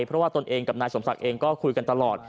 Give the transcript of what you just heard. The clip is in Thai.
เพราะว่าตนเองกับนายสมศักดิ์เองก็คุยกันตลอด